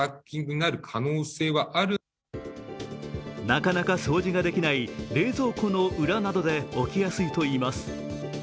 なかなか掃除ができない冷蔵庫の裏などで起きやすいといいます。